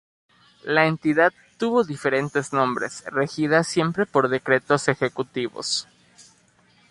La entidad tuvo diferentes nombres, regida siempre por Decretos Ejecutivos.